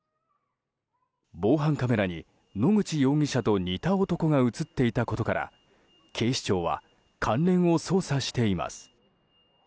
防犯カメラに野口容疑者と似た男が映っていたことから警視庁は関連を捜査しています。